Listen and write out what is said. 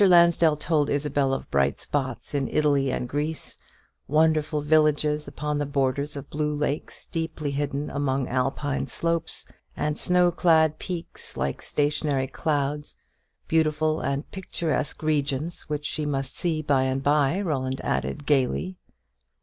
Lansdell told Isabel of bright spots in Italy and Greece, wonderful villages upon the borders of blue lakes deeply hidden among Alpine slopes, and snow clad peaks like stationary clouds beautiful and picturesque regions which she must see by and by, Roland added gaily.